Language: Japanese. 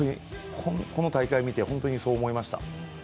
この大会見て、本当にそう思いました。